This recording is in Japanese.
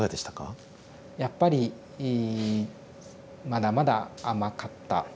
やっぱりまだまだ甘かった。